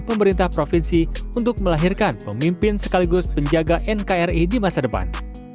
pemerintah provinsi untuk melahirkan pemimpin sekaligus penjaga nkri di masa depan